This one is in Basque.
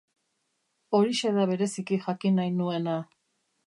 Horixe da bereziki jakin nahi nuena.